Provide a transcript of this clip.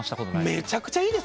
めちゃくちゃいい。